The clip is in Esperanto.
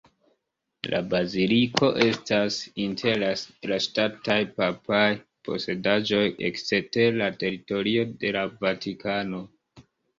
La baziliko estas inter la "ŝtataj papaj posedaĵoj ekster la teritorio de la Vatikano".